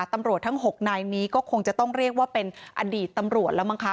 ตำรวจทั้ง๖นายนี้ก็คงจะต้องเรียกว่าเป็นอดีตตำรวจแล้วมั้งคะ